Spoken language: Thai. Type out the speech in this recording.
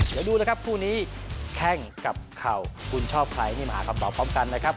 เดี๋ยวดูนะครับคู่นี้แข้งกับเข่าคุณชอบใครนี่มาหาคำตอบพร้อมกันนะครับ